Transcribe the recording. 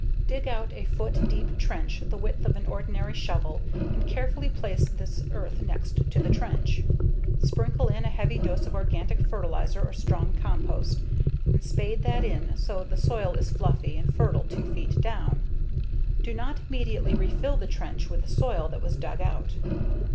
Dig out a foot deep trench the width of an ordinary shovel and carefully place this earth next to the trench. Sprinkle in a heavy dose of organic fertilizer or strong compost, and spade that in so the soil is fluffy and fertile 2 feet down. Do not immediately refill the trench with the soil that was dug out.